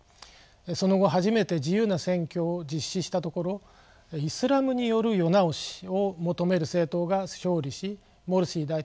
その後初めて自由な選挙を実施したところイスラムによる世直しを求める政党が勝利しモルシー大統領が選ばれました。